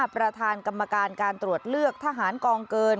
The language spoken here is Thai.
ประธานกรรมการการตรวจเลือกทหารกองเกิน